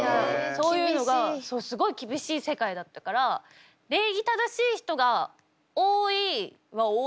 そういうのがすごい厳しい世界だったから礼儀正しい人が多いは多いんですよ。